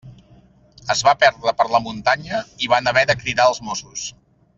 Es va perdre per la muntanya i van haver de cridar els Mossos.